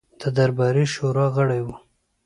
د درباري شورا غړی وو.